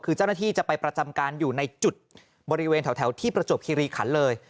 คือเจ้าหน้าที่จะไปประจำการอยู่ในจุดบริเวณแถวที่ประจวบคิริขันเลย